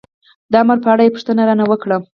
د امر په اړه یې پوښتنه را نه وکړه.